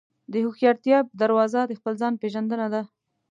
د هوښیارتیا دروازه د خپل ځان پېژندنه ده.